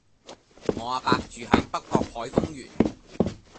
我阿伯住喺北角海峰園